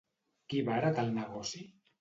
Qui va heretar el negoci?